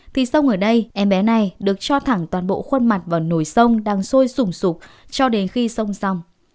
thì xong ở đây em bé này được cho thẳng toàn bộ khuôn mặt vào nồi sông đang sôi sùng sụp cho đến khi sông xong